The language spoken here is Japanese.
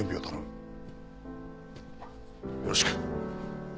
よろしく。